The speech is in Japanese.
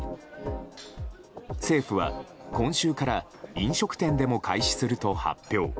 政府は今週から飲食店でも開始すると発表。